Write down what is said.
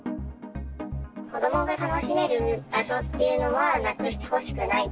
子どもが楽しめる場所っていうのは、なくしてほしくない。